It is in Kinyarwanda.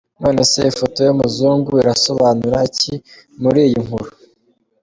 None se ifoto yumuzungu irasobanura iki muri iyi nkuru?.